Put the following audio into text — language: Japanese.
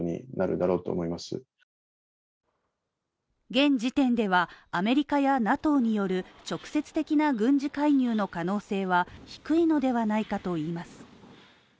現時点では、アメリカやＮＡＴＯによる直接的な軍事介入の可能性は低いのではないかといいます。